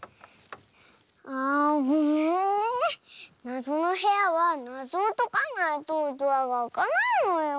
なぞのへやはなぞをとかないとドアがあかないのよ。